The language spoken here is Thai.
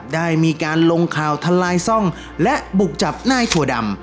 ได้มีการลงข่าวทลายซ่องและบุกจับนายถั่วดำ